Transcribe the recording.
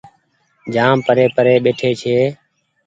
جآم پري پري ٻيٺي ڇي۔